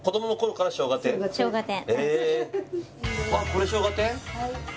天あっこれしょうが天？